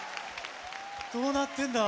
どうなってんだ。